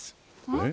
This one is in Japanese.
えっ？